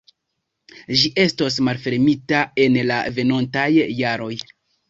Ĝi estos malfermita en la venontaj jaroj.